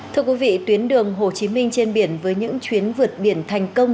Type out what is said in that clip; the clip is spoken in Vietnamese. thưa quý vị tuyến đường hồ chí minh trên biển với những chuyến vượt biển thành công